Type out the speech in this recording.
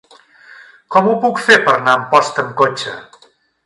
Com ho puc fer per anar a Amposta amb cotxe?